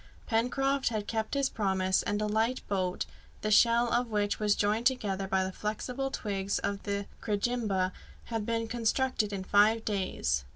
Pencroft had kept his promise, and a light boat, the shell of which was joined together by the flexible twigs of the crejimba, had been constructed in five days.